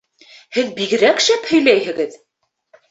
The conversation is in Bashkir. Һеҙ бигерәк шәп һөйләйһегеҙ.